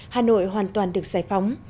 hà nội hoàn toàn được giải phóng